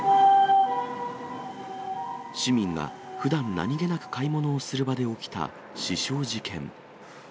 市民がふだん、何気なく買い物する場で起きた死傷事件。